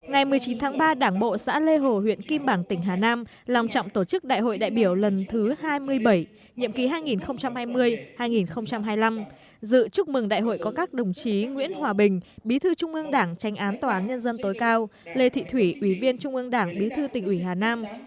ngày một mươi chín tháng ba đảng bộ xã lê hồ huyện kim bảng tỉnh hà nam lòng trọng tổ chức đại hội đại biểu lần thứ hai mươi bảy nhiệm ký hai nghìn hai mươi hai nghìn hai mươi năm dự chúc mừng đại hội có các đồng chí nguyễn hòa bình bí thư trung ương đảng tranh án tòa án nhân dân tối cao lê thị thủy ủy viên trung ương đảng bí thư tỉnh ủy hà nam